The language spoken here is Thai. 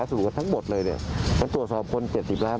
แต่อย่างข้อมูลลักษณ์ส่วนแทนแพทยุง